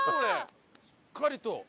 しっかりと。